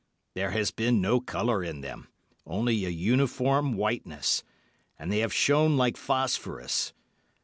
There has been no colour in them, only a uniform whiteness, and they have shone like phosphorous.